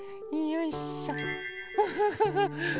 よいしょ。